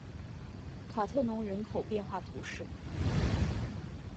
卡特农人口变化图示